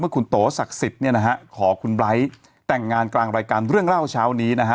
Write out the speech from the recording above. คุณโตศักดิ์สิทธิ์เนี่ยนะฮะขอคุณไบร์ทแต่งงานกลางรายการเรื่องเล่าเช้านี้นะฮะ